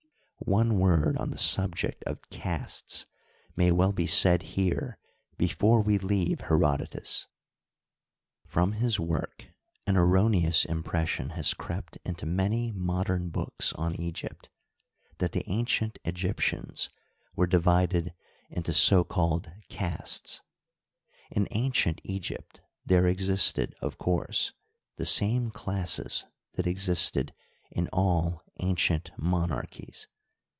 One word on the subject of castes may well be said here before we leave Herodo tus. From his work an erroneous impression has crept into many modern books on Egypt, that the ancient Egyptians were divided into so called "castes,'* In an cient Egypt there existed, of course, the same classes that existed in all ancient monarchies.